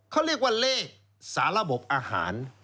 เขาเรียกว่าเลขสาระบบอาหาร